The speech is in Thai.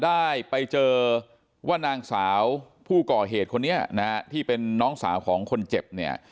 ได้ไปเจอว่านางสาวผู้ก่อเหตุคนนี้นะฮะที่เป็นน้องสาวของคนเจ็บเนี่ย